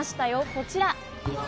こちら。